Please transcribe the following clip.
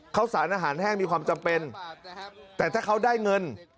ข้าวสารอาหารแห้งมีความจำเป็นแต่ถ้าเขาได้เงิน